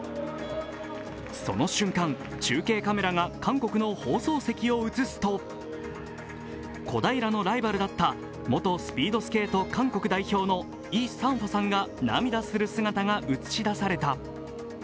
その瞬間、中継カメラが韓国の放送席を映すと、小平のライバルだった元スピードスケート韓国代表のイ・サンファさんが涙する姿が映し出された。